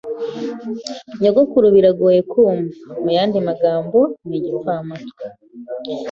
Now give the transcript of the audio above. Nyogokuru biragoye kumva. Muyandi magambo, ni igipfamatwi.